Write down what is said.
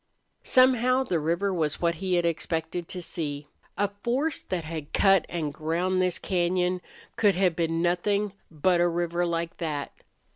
Somehow the river was what he had expected to see. A force that had cut and ground this cañon could have been nothing but a river like that.